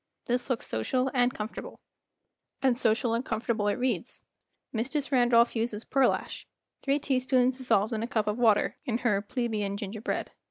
This looks social and comfor table. And social and comfortable it reads. Mistress Randolph uses pearlash—three teaspoons dissolved in a cup of water—in her "Plebeian Ginger Bread."